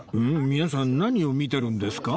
皆さん何を見てるんですか？